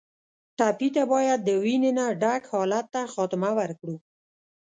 ټپي ته باید د وینې نه ډک حالت ته خاتمه ورکړو.